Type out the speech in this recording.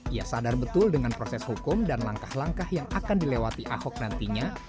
ia sadar betul dengan proses hukum dan langkah langkah yang akan dilewati ahok nantinya